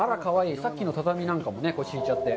さっきの畳なんかもひいちゃって。